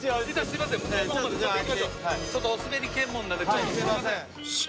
すいませんはい。